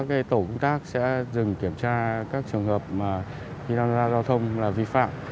các tổ quốc tác sẽ dừng kiểm tra các trường hợp khi đang ra giao thông là vi phạm